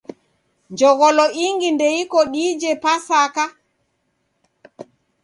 Jogholo ingi ndeiko diije Pasaka?